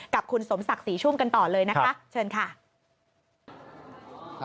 กับคุณสมศักดิ์ศรีชุ่มกันต่อเลยนะคะเชิญค่ะ